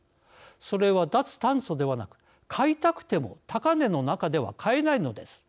それは脱炭素ではなく買いたくても高値の中では買えないのです。